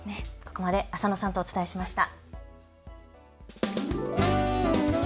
ここまで浅野さんとお伝えしました。